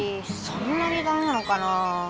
そんなにダメなのかなぁ？